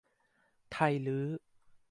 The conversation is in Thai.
ไทลื้อ